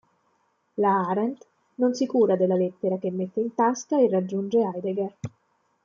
La Arendt non si cura della lettera che mette in tasca e raggiunge Heidegger.